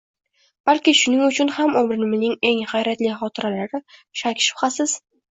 Balki, shuning uchun ham umrimning eng hayratli xotiralari, shak-shubhasiz